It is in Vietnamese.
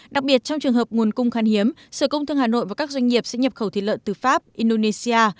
đặc biệt trong trường hợp nguồn cung khan hiếm sở công thương hà nội và các doanh nghiệp sẽ nhập khẩu thịt lợn từ pháp indonesia